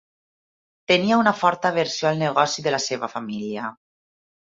Tenia una forta aversió al negoci de la seva família.